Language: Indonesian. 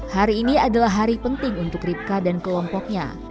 hari ini adalah hari penting untuk ripka dan kelompoknya